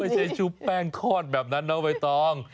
ไม่ใช่ชุบแป้งทอดแบบนั้นนะเอาไปต้อง